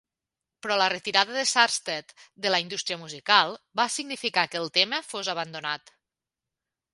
Però la retirada de Sarstedt de la indústria musical va significar que el tema fos abandonat.